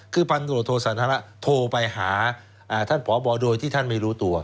คือทางโทรสางธนภาคโทรไปหาพบโดยที่ท่านไม่รู้ตัว